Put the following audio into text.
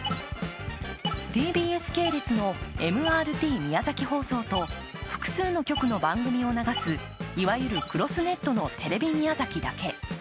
ＴＢＳ系列のＭＲＴ宮崎放送と複数の局の番組を流す、いわゆるクロスネットのテレビ宮崎だけ。